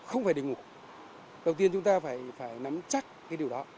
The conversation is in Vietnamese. không phải để ngủ đầu tiên chúng ta phải nắm chắc cái điều đó